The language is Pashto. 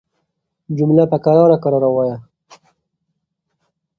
جمله په کراره کراره وايه